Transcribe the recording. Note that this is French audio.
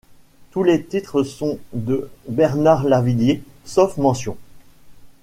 Tous les titres sont de Bernard Lavilliers, sauf mentions.